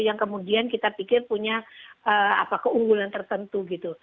yang kemudian kita pikir punya keunggulan tertentu gitu